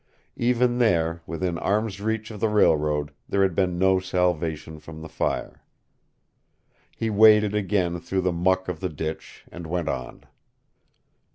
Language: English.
Even there, within arm's reach of the railroad, there had been no salvation from the fire. He waded again through the muck of the ditch, and went on.